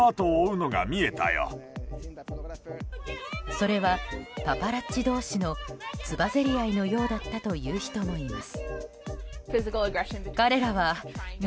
それは、パパラッチ同士のつばぜり合いのようだったという人もいます。